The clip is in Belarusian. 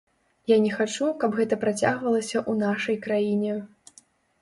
Я не хачу, каб гэта працягвалася ў нашай краіне.